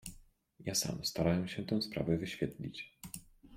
"Ja sam starałem się tę sprawę wyświetlić."